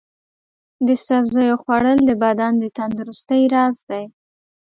د سبزیو خوړل د بدن د تندرستۍ راز دی.